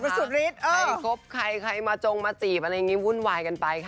ใครครบใครใครมาจงมาจีบอะไรอย่างนี้วุ่นวายกันไป